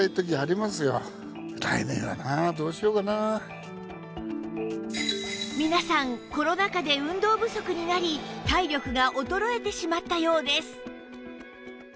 でも皆さんコロナ禍で運動不足になり体力が衰えてしまったようです